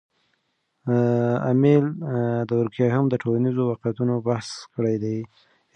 امیل دورکهایم د ټولنیزو واقعیتونو بحث کړی دی.